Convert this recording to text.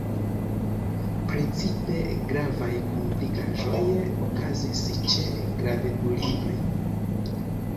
Precipe gravaj komplikaĵoj okazis ĉe gravedulinoj.